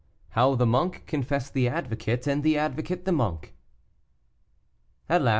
HOW THE MONK CONFESSED THE ADVOCATE, AND THE ADVOCATE THE MONK. At last M.